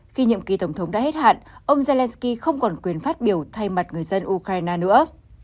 khi nhiệm kỳ tổng thống đã hết hạn ông zelensky không còn quyền phát biểu thay mặt người dân ukraine nữa